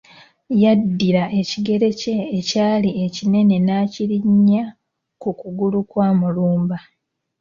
Yaddira ekigere kye ekyali ekinene n'akirinnya ku kugulu kwa Mulumba.